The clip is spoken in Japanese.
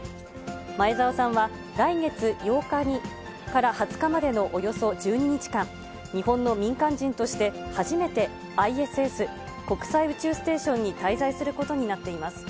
前澤さんは、来月８日から２０日までのおよそ１２日間、日本の民間人として初めて、ＩＳＳ・国際宇宙ステーションに滞在することになっています。